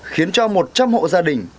khiến cho một trăm linh hộ gia đình